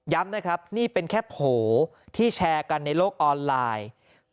นะครับนี่เป็นแค่โผล่ที่แชร์กันในโลกออนไลน์